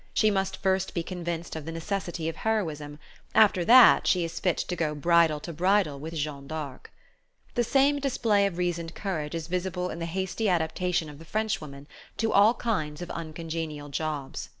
She must first be convinced of the necessity of heroism; after that she is fit to go bridle to bridle with Jeanne d'Arc. The same display of reasoned courage is visible in the hasty adaptation of the Frenchwoman to all kinds of uncongenial jobs.